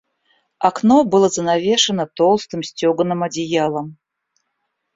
Окно было занавешено толстым стёганым одеялом.